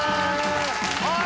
おい！